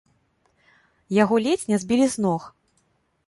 Яго ледзь не збілі з ног.